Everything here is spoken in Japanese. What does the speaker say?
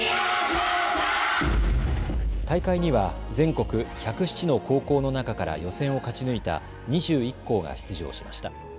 大会には全国１０７の高校の中から予選を勝ち抜いた２１校が出場しました。